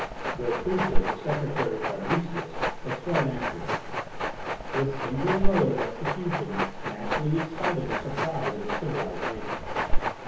Their creature, the secretary Fabricius, was thrown after them. This singular mode of execution naturally excited the surprise of civilized nations.